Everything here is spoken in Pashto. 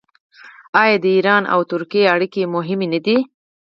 آیا د ایران او ترکیې اړیکې مهمې نه دي؟